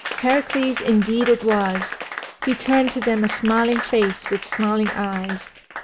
Heracles indeed it was! He turned to them a smiling face with smiling eyes.